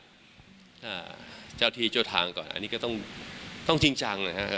เจ้าที่เจ้าทางก่อนอันนี้ก็ต้องต้องจริงจังนะครับ